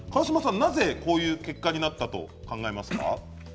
なぜ、こういう結果になったと思いますか。